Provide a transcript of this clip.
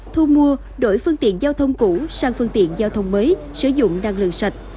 thu mua đổi phương tiện giao thông cũ sang phương tiện giao thông mới sử dụng năng lượng sạch